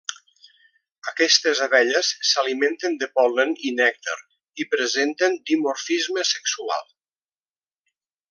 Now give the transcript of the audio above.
Aquestes abelles s'alimenten de pol·len i nèctar i presenten dimorfisme sexual.